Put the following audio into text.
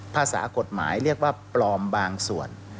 ภาษากฎหมายเรียกว่าปลอมบางส่วน